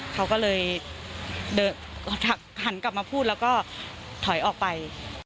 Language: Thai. เขาก็เลยหันกลับมาพูดแล้วก็ถอยออกไป